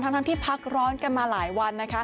ทั้งที่พักร้อนกันมาหลายวัน